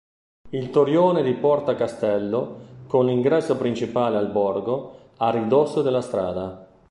Il torrione di Porta Castello, con l’ingresso principale al borgo, a ridosso della strada.